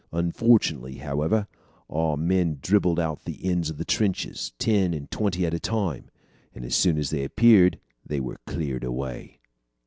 Unfortunately, however, our men dribbled out of the ends of the trenches ten and twenty at a time, and as soon as they appeared they were cleared away."